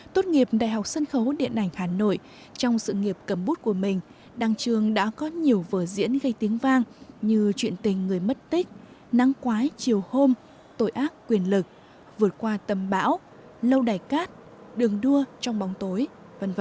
tốt nghiệp đại học sân khấu điện ảnh hà nội trong sự nghiệp cầm bút của mình đăng trương đã có nhiều vở diễn gây tiếng vang như chuyện tình người mất tích nắng quái chiều hôm tội ác quyền lực vượt qua tầm bão lâu đài cát đường đua trong bóng tối v v